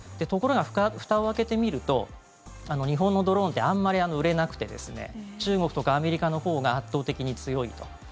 ところが、ふたを開けてみると日本のドローンってあんまり売れなくて中国とかアメリカのほうが圧倒的に強いと。